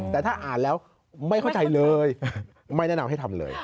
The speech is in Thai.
แต่ถ้าอ่านแล้วไม่เข้าใจเลยไม่แนะนำให้ทำเลย